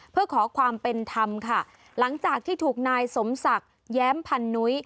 เพื่อขอความเป็นธรรมค่ะหลังจากที่ถูกนายสมศักดิ์แย้มพันนุ้ย